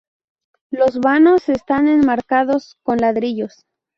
Los vanos están enmarcados con ladrillos.